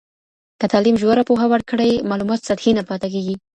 که تعلیم ژوره پوهه ورکړي، معلومات سطحي نه پاته کېږي.